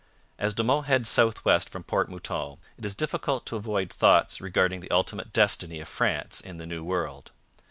As De Monts heads south west from Port Mouton it is difficult to avoid thoughts regarding the ultimate destiny of France in the New World.